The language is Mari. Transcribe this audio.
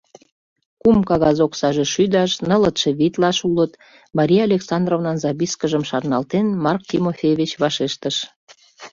— Кум кагаз оксаже шӱдаш, нылытше витлаш улыт, — Мария Александровнан запискыжым шарналтен, Марк Тимофеевич вашештыш.